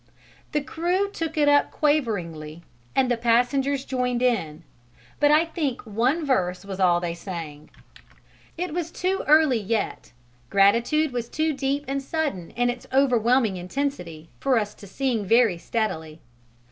The crew took it up quaveringly and the passengers joined in, but I think one verse was all they sang. It was too early yet, gratitude was too deep and sudden in its overwhelming intensity, for us to sing very steadily.